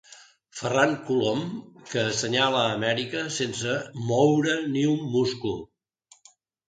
Ferran Colom que assenyala Amèrica sense moure ni un múscul.